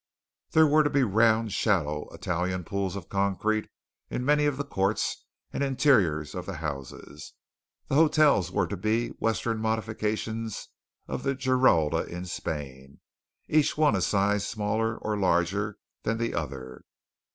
There were to be round, shallow Italian pools of concrete in many of the courts and interiors of the houses. The hotels were to be western modifications of the Giralda in Spain, each one a size smaller, or larger, than the other.